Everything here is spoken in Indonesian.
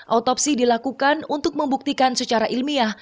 autopsi dilakukan untuk membuktikan secara ilmiah